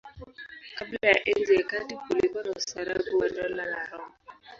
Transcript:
Kabla ya Enzi ya Kati kulikuwa na ustaarabu wa Dola la Roma.